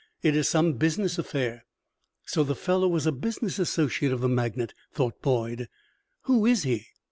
It is some business affair." So the fellow was a business associate of the magnate, thought Boyd. "Who is he?"